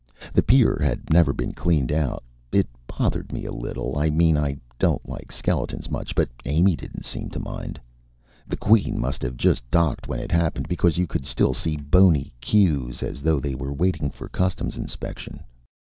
The pier had never been cleaned out. It bothered me a little I mean I don't like skeletons much but Amy didn't seem to mind. The Queen must have just docked when it happened, because you could still see bony queues, as though they were waiting for customs inspection.